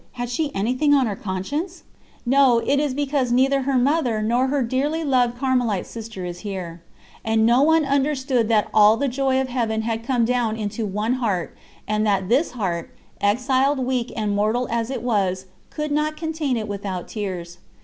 Had she anything on her conscience? No, it is because neither her Mother nor her dearly loved Carmelite sister is here." And no one understood that all the joy of Heaven had come down into one heart, and that this heart, exiled, weak, and mortal as it was, could not contain it without tears.